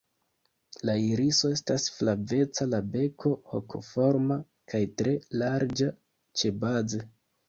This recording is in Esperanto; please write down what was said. La iriso estas flaveca, la beko hokoforma kaj tre larĝa ĉebaze.